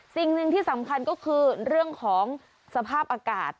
สิ่งหนึ่งที่สำคัญก็คือเรื่องของสภาพอากาศ